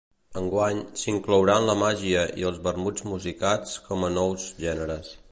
Enguany, s'inclouran la màgia i els vermuts musicats com a nous gèneres.